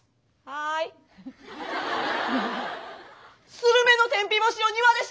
スルメの天日干しを庭でしてます！